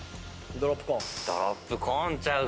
ドロップコーンちゃうかな？